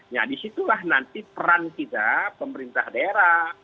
nah disitulah nanti peran kita pemerintah daerah